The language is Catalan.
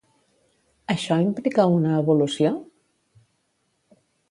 Això implica una evolució?